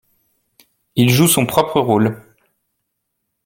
Il joue son propre rôle.